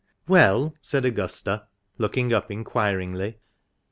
" Well ?" said Augusta, looking up inquiringly.